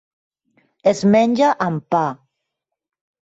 Es menja amb pa.